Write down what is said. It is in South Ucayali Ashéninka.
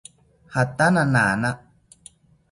Jatana nana